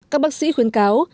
các bác sĩ khuyến cáo